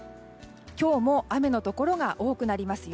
今日も雨のところが多くなりますよ。